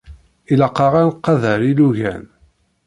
Ilaq-aɣ ad nqader ilugan.